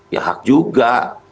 ya hak juga